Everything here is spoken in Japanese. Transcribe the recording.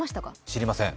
知りません。